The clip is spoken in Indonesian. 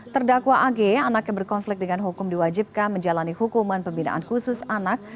terdakwa ag anak yang berkonflik dengan hukum diwajibkan menjalani hukuman pembinaan khusus anak